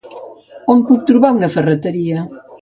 On puc trobar una ferreteria?